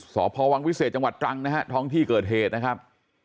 สพวังวิเศษจังหวัดตรังนะฮะท้องที่เกิดเหตุนะครับ